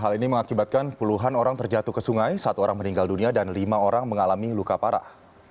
hal ini mengakibatkan puluhan orang terjatuh ke sungai satu orang meninggal dunia dan lima orang mengalami luka parah